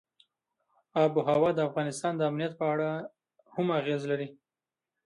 آب وهوا د افغانستان د امنیت په اړه هم اغېز لري.